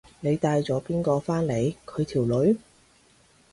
你帶咗邊個返嚟？佢條女？